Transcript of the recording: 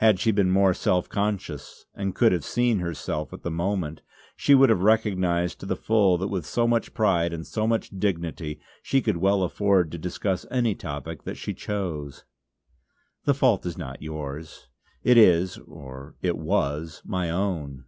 Had she been more self conscious, and could she have seen herself at the moment, she would have recognised to the full that with so much pride and so much dignity she could well afford to discuss any topic that she chose. "The fault is not yours. It is, or it was, my own."